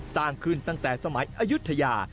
สร้างขึ้นตั้งแต่สมัยอายุทยา